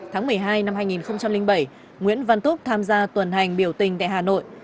tháng một mươi hai năm hai nghìn bảy nguyễn văn túc tham gia tuần hành biểu tình tại hà nội